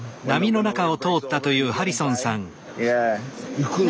行くの？